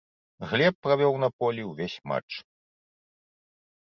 Глеб правёў на полі ўвесь матч.